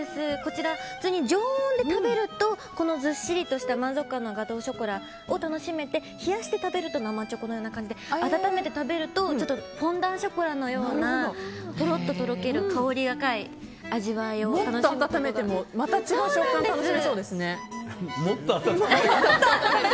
常温で食べるとこのずっしりとした満足感のガトーショコラを楽しめて、冷やして食べると生チョコのような感じで温めて食べるとフォンダンショコラのようなとろっととろける香り高い味わいをもっと温めてもまた違った食感が楽しめそうですね。